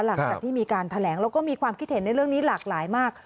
หลังจากที่มีการแถลงแล้วก็มีความคิดเห็นในเรื่องนี้หลากหลายมาก